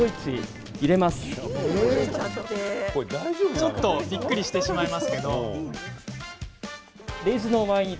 ちょっとびっくりしてしまいますが。